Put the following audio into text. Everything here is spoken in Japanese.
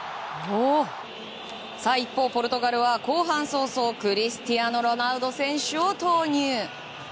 一方、ポルトガルは後半早々クリスティアーノ・ロナウド選手を投入。